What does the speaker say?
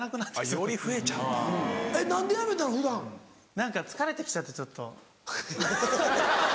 何か疲れて来ちゃってちょっと。